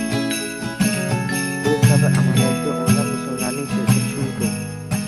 Bu kabi amaliyotga o‘nlab misollarni keltirish mumkin.